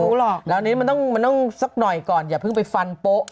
หรอกแล้วอันนี้มันต้องมันต้องสักหน่อยก่อนอย่าเพิ่งไปฟันโป๊ะ